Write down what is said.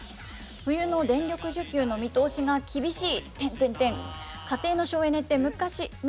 冬の電力需給の見通しが厳しい。